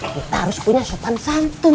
kita harus punya sopan santun